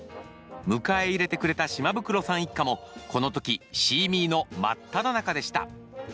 迎え入れてくれたシマブクロさん一家もこの時シーミーの真っただ中でした。